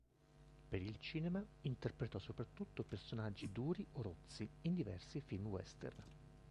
Per il cinema interpretò soprattutto personaggi duri o rozzi in diversi film western.